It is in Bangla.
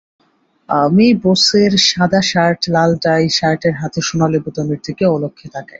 আমি বসের সাদা শার্ট, লাল টাই, শার্টের হাতের সোনালি বোতামের দিকে অলক্ষে তাকাই।